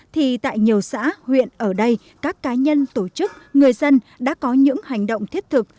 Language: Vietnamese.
thì tại nhiều xã huyện ở đây các cá nhân tổ chức người dân đã có những hành động thiết thực